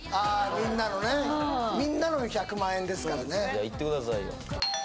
みんなの１００万円ですからねいってくださいよ